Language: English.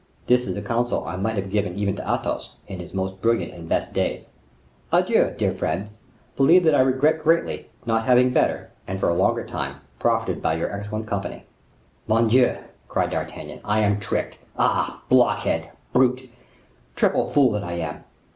This is a counsel I might have given even to Athos, in his most brilliant and best days. Adieu, dear friend; believe that I regret greatly not having better, and for a longer time, profited by your excellent company." "Mordioux!" cried D'Artagnan. "I am tricked. Ah! blockhead, brute, triple fool that I am!